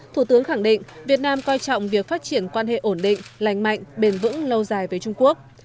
thủ tướng khẳng định việt nam coi trọng việc phát triển quan hệ ổn định lành mạnh bền vững lâu dài với trung quốc